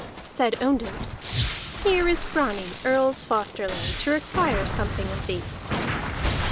Said Ondott: "Here is Grani Earl's Fosterling to require something of thee."